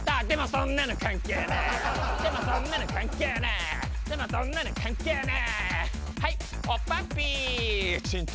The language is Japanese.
でもそんなの関係ねぇ。